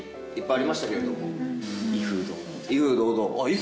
あ。